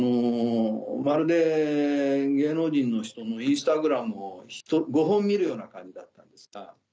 まるで芸能人の人のインスタグラムを５本見るような感じだったんですが。